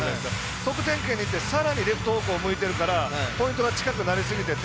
得点圏にいってさらにレフト方向、向いてるからポイントが近くなりすぎてて。